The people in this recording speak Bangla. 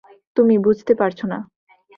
তুমি বুঝতে পারছো না।